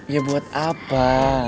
ya buat apa